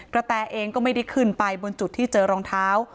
แตเองก็ไม่ได้ขึ้นไปบนจุดที่เจอรองเท้า